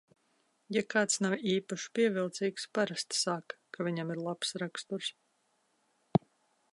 Ja kāds nav īpaši pievilcīgs, parasti saka, ka viņam ir labs raksturs.